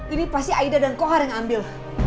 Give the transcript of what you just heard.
ini pasti aida dan kohar yang ambil